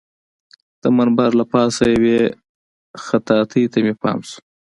د منبر له پاسه یوې خطاطۍ ته مې پام شو.